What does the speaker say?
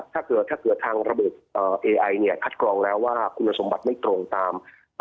ถ้าเกิดถ้าเกิดทางระบบเอไอเนี่ยคัดกรองแล้วว่าคุณสมบัติไม่ตรงตาม